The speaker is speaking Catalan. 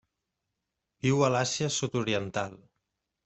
Viu a l'Àsia Sud-oriental.